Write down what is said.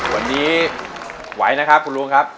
วันนี้ไหวนะครับคุณลุงครับ